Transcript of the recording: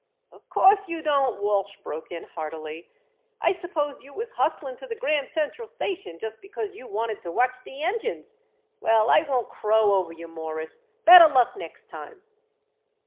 "Of course you don't," Walsh broke in heartily. "I suppose you was hustling to the Grand Central Station just because you wanted to watch the engines. Well, I won't crow over you, Morris. Better luck next time!"